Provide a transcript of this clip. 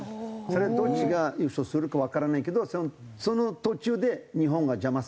それどっちが優勝するかわからないけどその途中で日本が邪魔するね。